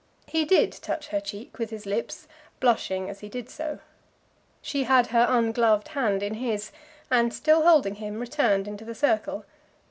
He did touch her cheek with his lips, blushing as he did so. She had her ungloved hand in his, and, still holding him, returned into the circle.